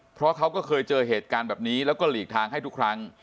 เพราะเขาก็เคยเจอเหตุการณ์แบบนี้แล้วก็หลีกทางให้ทุกครั้ง